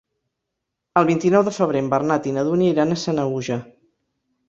El vint-i-nou de febrer en Bernat i na Dúnia iran a Sanaüja.